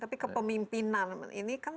tapi kepemimpinan ini kan